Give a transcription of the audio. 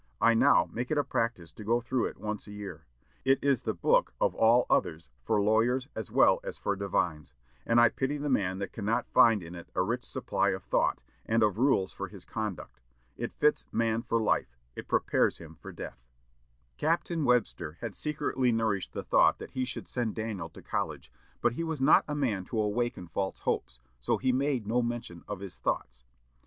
I now make it a practice to go through it once a year. It is the book of all others for lawyers as well as for divines; and I pity the man that cannot find in it a rich supply of thought, and of rules for his conduct. It fits man for life it prepares him for death!" Captain Webster had secretly nourished the thought that he should send Daniel to college, but he was not a man to awaken false hopes, so he made no mention of his thoughts.